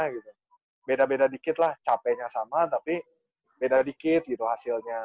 beda beda dikit lah capeknya sama tapi beda dikit gitu hasilnya